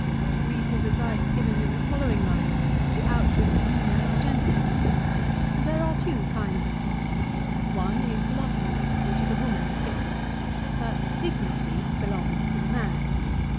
Eead his advice given in the following line for the outward demeanour of a gentleman. " There are two kinds of beauty. The one is loveliness, which is a woman's gift. But dignity belongs to the man.